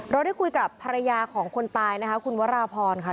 ได้คุยกับภรรยาของคนตายนะคะคุณวราพรค่ะ